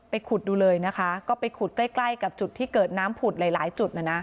ขุดดูเลยนะคะก็ไปขุดใกล้ใกล้กับจุดที่เกิดน้ำผุดหลายหลายจุดนะนะ